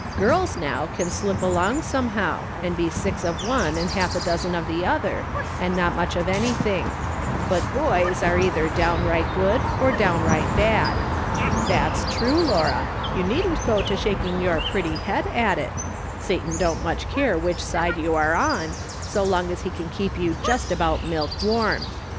Girls, now, can slip along some how, and be six of one and half a dozen of the other, and not much of anything ; but boys are either downright good or downright bad. That's true, Laura, you needn't go to shaking your pretty head at it ; Satan don't much care which side you are on, so long as he can keep you just abou^t milk warm.